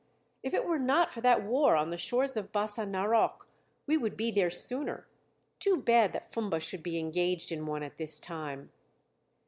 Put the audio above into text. If it were not for that war on the shores of Bassa Narok, we would be there sooner. Too bad that Fumba should be engaged in one at this time!"